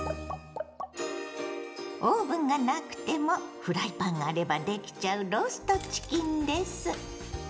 オーブンがなくてもフライパンがあればできちゃうローストチキンです。